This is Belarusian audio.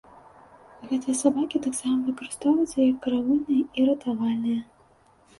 Гэтыя сабакі таксама выкарыстоўваюцца як каравульныя і ратавальныя.